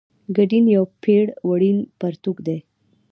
ګډین یو پېړ وړین پرتوګ دی.